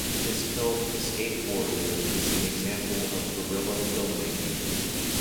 His film "Skate Warrior" is an example of guerrilla filmmaking.